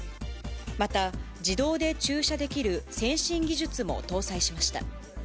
また、自動で駐車できる先進技術も搭載しました。